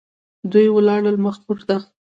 دوی ولاړل مخ پورته.